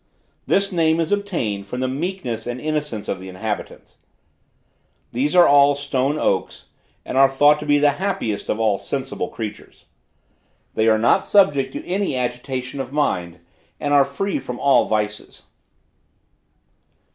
This name is obtained from the meekness and innocence of the inhabitants. These are all stone oaks, and are thought to be the happiest of all sensible beings. They are not subject to any agitation of mind, and are free from all vices.